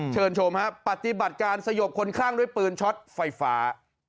เชิญชมฮะปฏิบัติการสยบคนคลั่งด้วยปืนช็อตไฟฟ้า